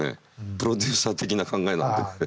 プロデューサー的な考えなんだよね。